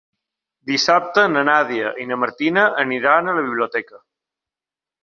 Dissabte na Nàdia i na Martina aniran a la biblioteca.